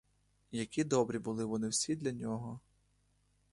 Які добрі були вони всі для нього.